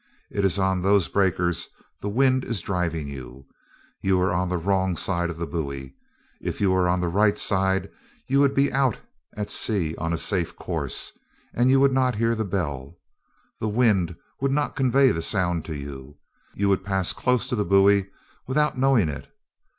It is on those breakers the wind is driving you. You are on the wrong side of the buoy. If you were on the right side, you would be out at sea on a safe course, and you would not hear the bell. The wind would not convey the sound to you. You would pass close to the buoy without knowing it.